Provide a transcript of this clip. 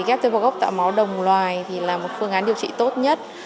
ghép tế bào gốc tạo máu đồng loài thì là một phương án điều trị tốt nhất